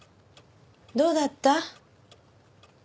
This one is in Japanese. どうだった？